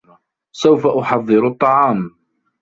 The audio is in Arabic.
سوف أُحضرُ الطعام.